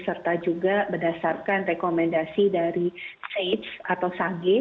serta juga berdasarkan rekomendasi dari sage